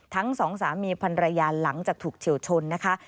ทั้งสองสามีพันรยาหลังจากถูกเฉียวชนนะคะ